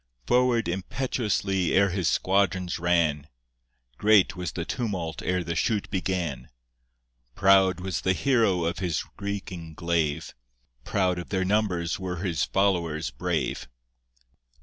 Forward impetuously his squadrons ran; Great was the tumult ere the shoot began; Proud was the hero of his reeking glaive, Proud of their numbers were his followers brave.